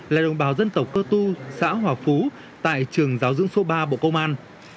là đồng bào dân tộc cơ tu xã hòa phú tại trường giáo dưỡng số ba bộ công an